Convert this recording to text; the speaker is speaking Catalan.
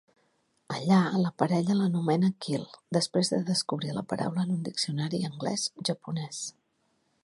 Allà, la parella l'anomena "Quill", després de descobrir la paraula en un diccionari anglès-japonès.